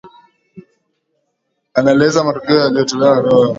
anaeleza matokeo yaliotolewa na tume ya uchaguzi